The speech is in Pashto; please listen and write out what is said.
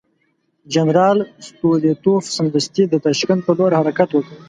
جنرال ستولیتوف سمدستي د تاشکند پر لور حرکت وکړ.